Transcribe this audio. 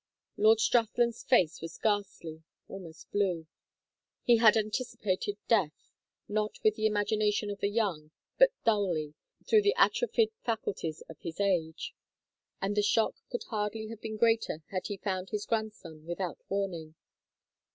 Lord Strathland's face was ghastly, almost blue. He had anticipated death, not with the imagination of the young, but dully, through the atrophied faculties of his age, and the shock could hardly have been greater had he found his grandson without warning.